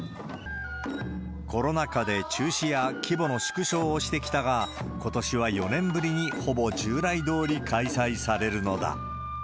コロナ禍で中止や規模の縮小をしてきたが、ことしは４年ぶりにほぼ従来どおり開催されるのだ。